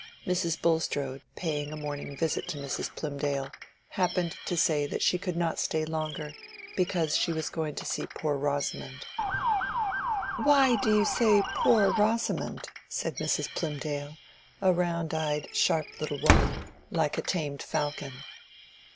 Mrs. Bulstrode, paying a morning visit to Mrs. Plymdale, happened to say that she could not stay longer, because she was going to see poor Rosamond. "Why do you say 'poor Rosamond'?" said Mrs. Plymdale, a round eyed sharp little woman, like a tamed falcon.